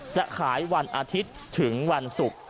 จะขายวันอาทิตย์ถึงวันศุกร์